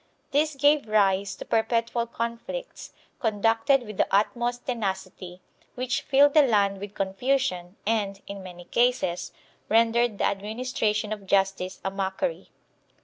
This gave rise to perpetual conflicts, conducted with the utmost tenacity, which filled the land with confusion and, in many casesr rendered the administration of justice a mockery.